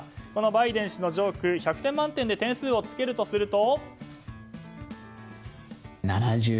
バイデン氏のジョークに１００点満点で点数をつけるとすると。